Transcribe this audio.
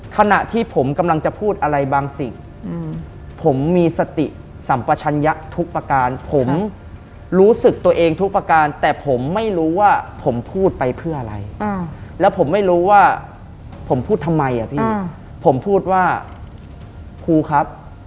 ขณะที่ผมกำลังจะพูดอะไรบางสิ่งผมมีสติสัมปชัญญะทุกประการผมรู้สึกตัวเองทุกประการแต่ผมไม่รู้ว่าผมพูดไปเพื่ออะไรแล้วผมไม่รู้ว่าผมพูดทำไมอ่ะพี่ผมพูดว่าครูครับ